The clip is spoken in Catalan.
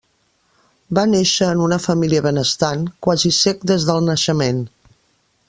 Va néixer en una família benestant, quasi cec des del naixement.